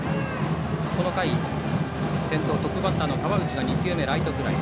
この回、先頭トップバッターの河内が２球目、ライトフライ。